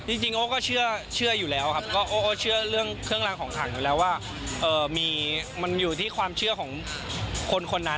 จริงโอ้ก็เชื่ออยู่แล้วครับก็โอ้เชื่อเรื่องเครื่องรางของขังอยู่แล้วว่ามันอยู่ที่ความเชื่อของคนคนนั้น